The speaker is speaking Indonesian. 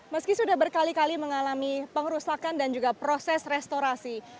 meski sudah berkali kali mengalami pengerusakan dan juga proses restorasi